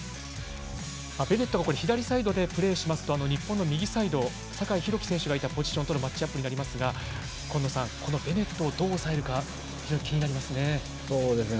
ベネットが左サイドでプレーすると日本の右サイド酒井宏樹選手がいたポジションとのマッチアップになりますが今野さん、このベネットをどう抑えるかそうですね。